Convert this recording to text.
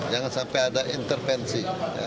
jangan sampai ada intervensi